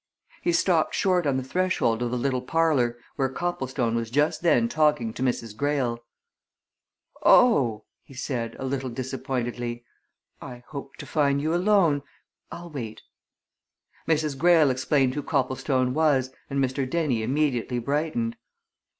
He stopped short on the threshold of the little parlour, where Copplestone was just then talking to Mrs. Greyle. "Oh!" he said, a little disappointedly, "I hoped to find you alone I'll wait." Mrs. Greyle explained who Copplestone was, and Mr. Dennie immediately brightened.